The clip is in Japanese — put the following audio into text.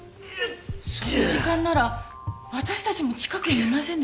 その時間なら私たちも近くにいませんでした？